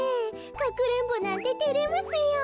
かくれんぼなんててれますよ。